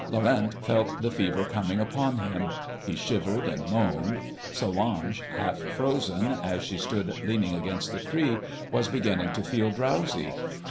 Laurent felt the fever coming upon him. He shivered and moaned. Solange, half frozen, as she stood leaning against the tree, was beginning to feel drowsy.